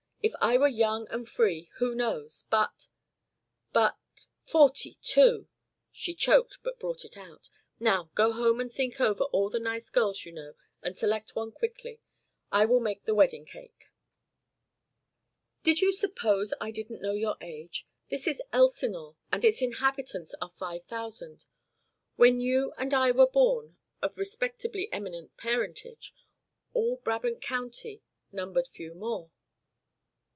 If I were young and free who knows? But but forty two!" She choked but brought it out. "Now go home and think over all the nice girls you know and select one quickly. I will make the wedding cake." "Did you suppose I didn't know your age? This is Elsinore, and its inhabitants are five thousand. When you and I were born of respectably eminent parentage all Brabant County numbered few more."